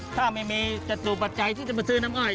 ถ้าไม่มีสิ่งใจที่จะมาซื้อน้ำอ้อย